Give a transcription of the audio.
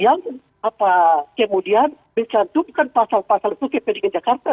yang kemudian mencantumkan pasal pasal hukum ke pdg jakarta